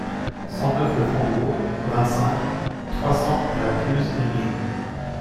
cent neuf le Frambourg, vingt-cinq, trois cents à La Cluse-et-Mijoux